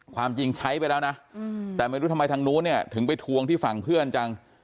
ความจริงใช้ไปแล้วนะแต่ไม่รู้ทำไมทางนู้นเนี่ยถึงไปทวงที่ฝั่งเพื่อนจัง